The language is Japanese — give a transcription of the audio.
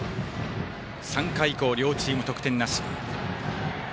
３回以降、両チーム得点なし。